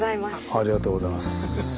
ありがとうございます。